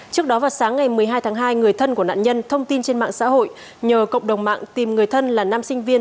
trước đó vào sáng ngày một mươi hai tháng hai người thân của nạn nhân thông tin trên mạng xã hội nhờ cộng đồng mạng tìm người thân là nam sinh viên